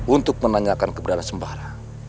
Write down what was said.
untuk menanyakan keberadaan sembara